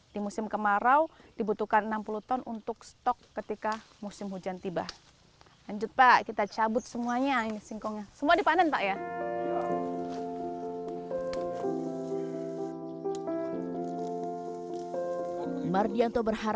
di musim kemarau dibutuhkan enam puluh ton untuk stok ketika musim hujan tiba